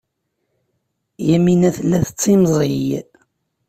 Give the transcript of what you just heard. Yamina tella tettimẓiy.